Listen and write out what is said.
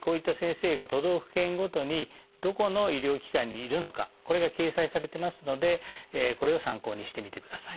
こういった先生が都道府県ごとにどこの医療機関にいるのかこれが掲載されてますのでこれを参考にしてみてください。